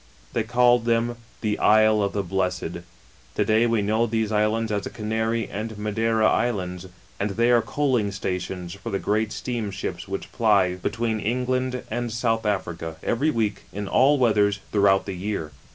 They called them the " Isles of the Blessed." To day we ki^ow these islands as the Canary and the Madeira Islands, and they are coaling stations, for the great steamships which ply between Eng land and South Africa, every week, in all weathers, throughout the year.